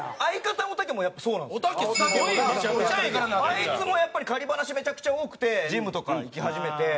あいつもやっぱりバラシめちゃくちゃ多くてジムとか行き始めて。